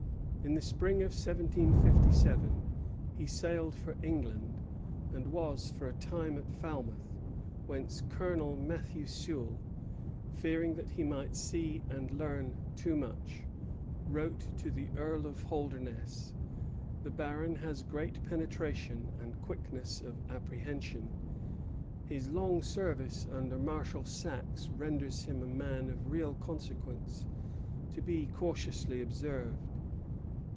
In the spring of 1757 he sailed for England, and was for a time at Falmouth; whence Colonel Matthew Sewell, fearing that he might see and learn too much, wrote to the Earl of Holdernesse: "The Baron has great penetration and quickness of apprehension. His long service under Marshal Saxe renders him a man of real consequence, to be cautiously observed.